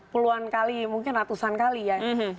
puluhan kali mungkin ratusan kali ya